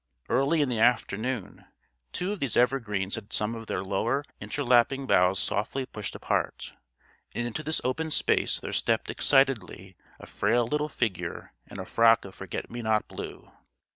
Early in the afternoon two of these evergreens had some of their lower interlapping boughs softly pushed apart, and into the open space there stepped excitedly a frail little figure in a frock of forget me not blue.